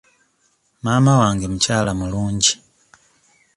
Maama wange mukyala mulungi.